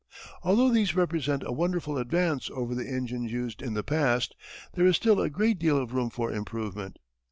Although these represent a wonderful advance over the engines used in the past there is still a great deal of room for improvement.